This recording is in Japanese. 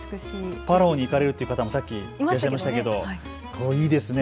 パラオに行かれるという方、先ほどいらっしゃいましたけどいいですね。